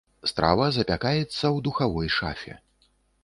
Страва запякаецца ў духавой шафе.